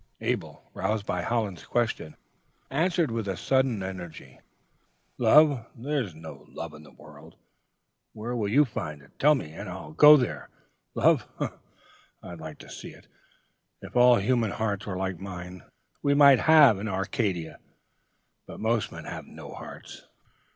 "Abel, roused by Hollins' question, answered, with a sudden energy: "'Love! there is no love in the world. Where will you find it? Tell me, and I'll go there. Love! I'd like to see it! If all human hearts were like mine, we might have an Arcadia: but most men have no hearts.